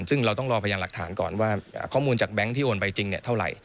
ซึ่งเราต้องรอพยานหลักฐานก่อนว่าข้อมูลจากแบงค์ที่โอนไปจริงเท่าไหร่